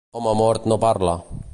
Home mort no parla.